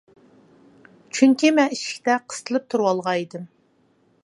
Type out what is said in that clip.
چۈنكى مەن ئىشىكتە قىستىلىپ تۇرۇۋالغان ئىدىم.